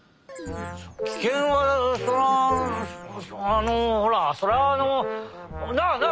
キケンはそれはあのほらそれはあのなあ？